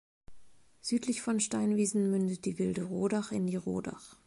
Südlich von Steinwiesen mündet die Wilde Rodach in die Rodach.